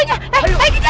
eh itu hantunya